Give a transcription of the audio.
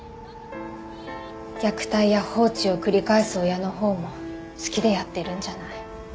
虐待や放置を繰り返す親のほうも好きでやっているんじゃない。